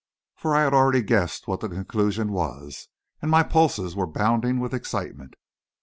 For I had already guessed what the conclusion was, and my pulses were bounding with excitement.